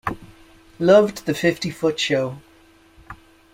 Loved The Fifty-Foot Show.